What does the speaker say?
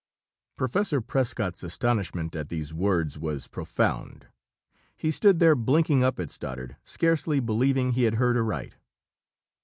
Professor Prescott's astonishment at these words was profound. He stood there blinking up at Stoddard, scarcely believing he had heard aright.